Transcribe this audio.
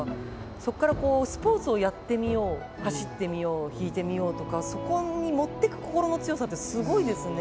そこからこうスポーツをやってみよう走ってみよう引いてみようとかそこに持ってく心の強さってすごいですね。